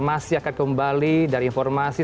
masih akan kembali dari informasi